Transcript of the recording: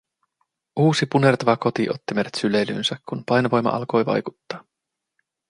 Uusi punertava koti otti meidät syleilyynsä, kun painovoima alkoi vaikuttaa.